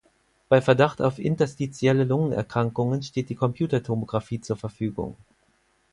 Bei Verdacht auf interstitielle Lungenerkrankungen steht die Computertomografie zur Verfügung.